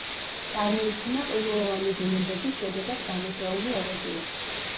წარმოიქმნა ყინულოვანი დინებების შედეგად გამოწვეული ეროზიით.